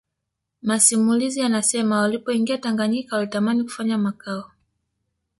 Masimulizi yanasema walipoingia Tanganyika walitamani kufanya makao